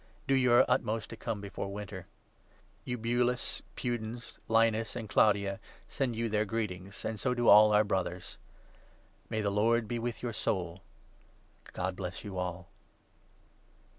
Do your utmost to come 21 before winter. Eubulus, Pudens, Linus and Claudia send you their greet ings, and so do all our Brothers. May the Lord be with your soul. God bless you all.